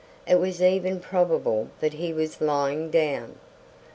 It was even probable that he was lying down.